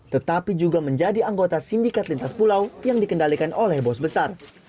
tetapi juga menjadi anggota sindikat lintas pulau yang dikendalikan oleh bos besar